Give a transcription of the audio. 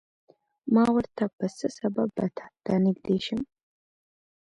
ما ورته په څه سبب به تاته نږدې شم.